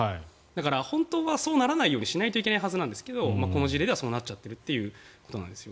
だから本当はそうならないようにしないといけないはずですがこの事例ではそうなっちゃってるということなんです。